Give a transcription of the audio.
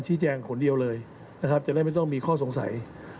จะได้ไม่ต้องมีข้อสงสัย